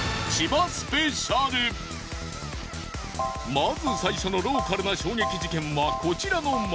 まず最初のローカルな衝撃事件はこちらの町。